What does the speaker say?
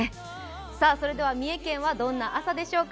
それでは三重県はどんな朝でしょうか。